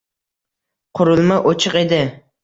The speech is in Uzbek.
Qurilma o`chiq edi